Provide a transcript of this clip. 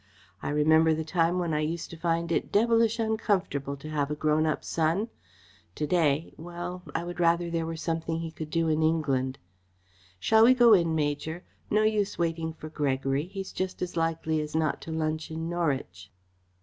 I remember the time when I used to find it devilish uncomfortable to have a grown up son. To day well, I would rather there were something he could do in England. Shall we go in, Major? No use waiting for Gregory. He's just as likely as not to lunch in Norwich."